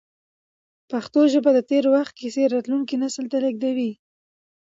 پښتو ژبه د تېر وخت کیسې راتلونکو نسلونو ته لېږدوي.